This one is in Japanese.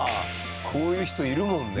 こういう人いるもんね。